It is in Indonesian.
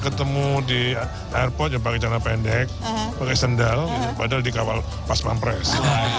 saya ketemu di airport pakai jalan pendek pakai sendal padahal di kawal pasman pres